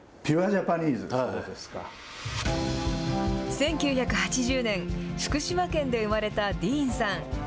１９８０年、福島県で生まれたディーンさん。